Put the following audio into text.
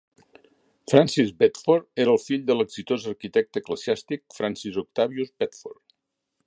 Francis Bedford era el fill de l'exitós arquitecte eclesiàstic Francis Octavius Bedford.